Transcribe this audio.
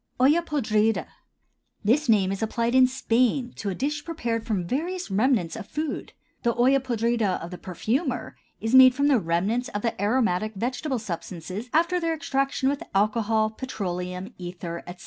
OLLA PODRIDA. This name is applied in Spain to a dish prepared from various remnants of food. The olla podrida of the perfumer is made from the remnants of the aromatic vegetable substances after their extraction with alcohol, petroleum ether, etc.